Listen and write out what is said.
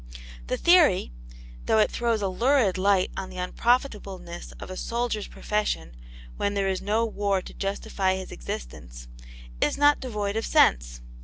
The theory though it throws a lurid light on the unprofitableness of a soldier's profession when there is no war to justify his existence is not devoid of sense.